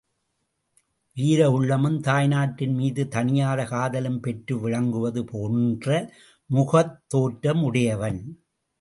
வீர உள்ளமும் தாய்நாட்டின் மீது தணியாத காதலும் பெற்று விளங்குவது போன்ற முகத்தோற்றமுடையவன்.